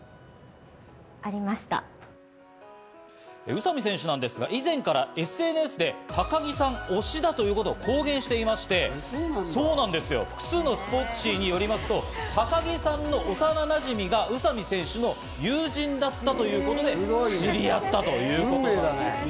宇佐見選手なんですが、以前からＳＮＳで高城さん推しだということを公言していまして、複数のスポーツ紙によりますと、高城さんの幼なじみが宇佐見選手の友人だったということで、知り合ったということなんです。